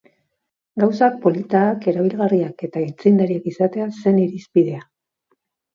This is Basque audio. Gauzak politak, erabilgarriak eta aitzindariak izatea zen irizpidea.